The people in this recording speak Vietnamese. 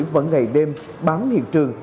vẫn ngày đêm bán hiện trường